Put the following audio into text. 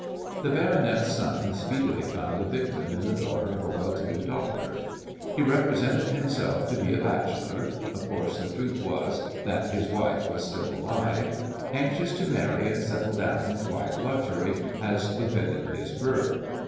The baronet's son speedily found a victim in the daughter of a well to do doctor. He represented himself to be a bachelor of course, the truth was that his wife was still alive anxious to marry and settle down in quiet luxury, as befitted his birth.